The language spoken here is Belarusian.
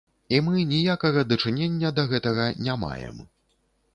І мы ніякага дачынення да гэтага не маем.